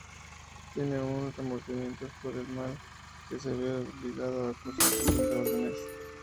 Tiene aún remordimientos por el mal que se vio obligado a causar siguiendo órdenes.